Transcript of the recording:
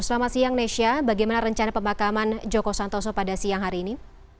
selamat siang nesya bagaimana rencana pemakaman joko santoso pada siang hari ini